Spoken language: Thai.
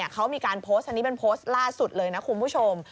เขามีการโพสต์อันนี้เป็นโพสต์ล่าสุดเลยนะคุณผู้ชม